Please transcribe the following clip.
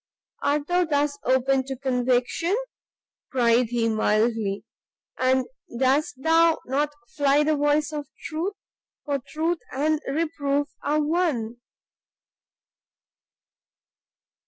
"Art thou thus open to conviction?" cried he, mildly; "and dost thou not fly the voice of truth! for truth and reproof are one."